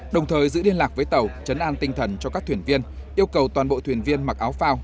đồng thời giữ liên lạc với tàu chấn an tinh thần cho các thuyền viên yêu cầu toàn bộ thuyền viên mặc áo phao